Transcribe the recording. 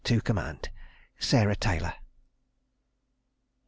to comand "SARAH TAYLER." 9.